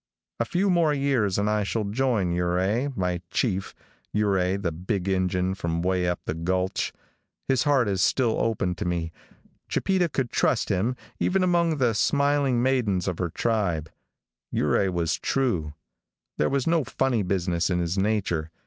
A few more years and I shall join Ouray my chief, Ouray the big Injun from away up the gulch. His heart is still open to me. Chipeta could trust him, even among tire smiling maidens of her tribe. Ouray was true. There was no funny business in his nature.